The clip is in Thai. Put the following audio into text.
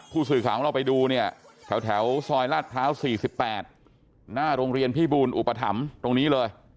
ผู้สื่อข่าวของเราไปดูเนี่ยแถวซอยลาดพร้าว๔๘หน้าโรงเรียนพี่บูลอุปถัมภ์ตรงนี้เลย